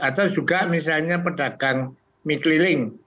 atau juga misalnya pedagang mikliling